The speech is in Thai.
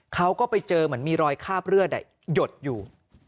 เขาก็ไปเจอเหมือนมีรอยคาบเลือดหยดอยู่